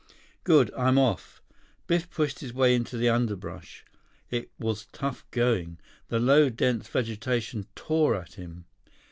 "Good. I'm off." Biff pushed his way into the underbrush. It was tough going. The low, dense vegetation tore at him.